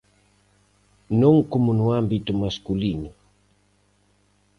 Non como no ámbito masculino.